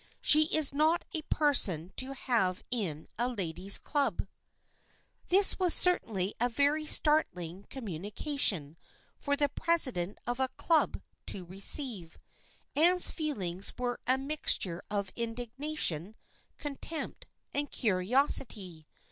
She is not a person to have in a ladies' club." This was certainly a very startling communica tion for the president of a Club to receive. Anne's feelings were a mixture of indignation, contempt and curiosity.